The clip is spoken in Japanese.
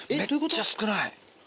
めっちゃ少ない。